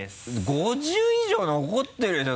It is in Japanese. ５０以上残ってるでしょ。